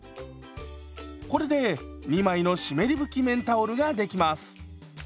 これで２枚の湿り拭き綿タオルができます。